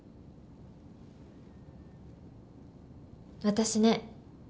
私ね